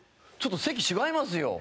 ちょっと席違いますよ。